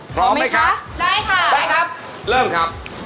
พร้อมไหมคะได้ค่ะได้ครับเริ่มครับ